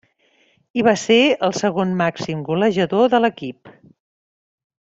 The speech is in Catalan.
I va ser el segon màxim golejador de l'equip.